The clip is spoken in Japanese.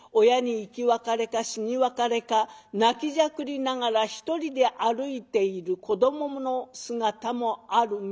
親に生き別れか死に別れか泣きじゃくりながら一人で歩いている子どもの姿もある。